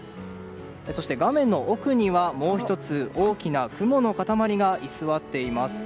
そして、画面奥にはもう１つ大きな雲の塊が居座っています。